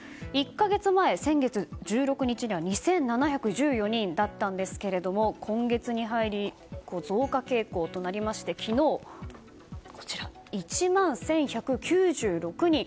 １か月前、先月１６日には２７１４人だったんですけれども今月に入り増加傾向となりまして昨日１万１１９６人。